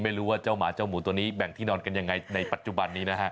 ไม่รู้ว่าเจ้าหมาเจ้าหมูตัวนี้แบ่งที่นอนกันยังไงในปัจจุบันนี้นะฮะ